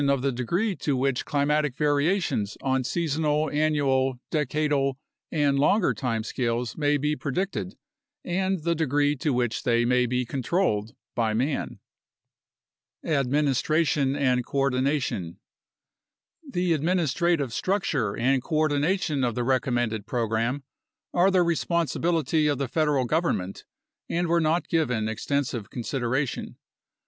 104 A NATIONAL CLIMATIC RESEARCH PROGRAM 105 the degree to which climatic variations on seasonal, annual, decadal, and longer times scales may be predicted and the degree to which they may be controlled by man. Administration and Coordination The administrative structure and coordination of the recommended program are the responsibility of the federal government and were not given extensive consideration.